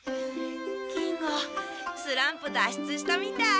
金吾スランプ脱出したみたい。